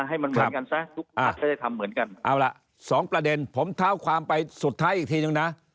เอาล่ะเอาล่ะสองประเด็นผมเท้าความไปสุดท้ายอีกทีนึงนะ